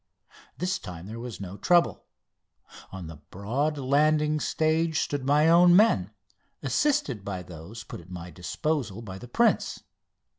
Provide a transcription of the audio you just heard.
This time there was no trouble. On the broad landing stage stood my own men, assisted by those put at my disposition by the prince.